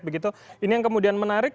begitu ini yang kemudian menarik